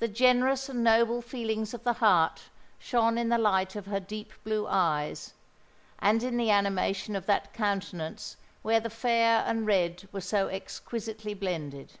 The generous and noble feelings of the heart shone in the light of her deep blue eyes, and in the animation of that countenance where the fair and red were so exquisitely blended.